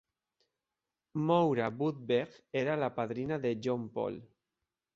Moura Budberg era la padrina de John Paul.